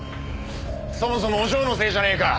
そもそもお嬢のせいじゃねえか！